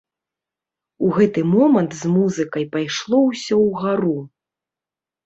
У гэты момант з музыкай пайшло ўсё ўгару.